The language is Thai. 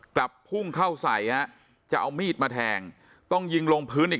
กลับพุ่งเข้าใส่ฮะจะเอามีดมาแทงต้องยิงลงพื้นอีก